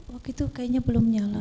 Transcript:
waktu itu kayaknya belum nyala